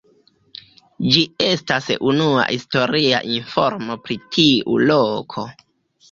Ĝi estas unua historia informo pri tiu loko.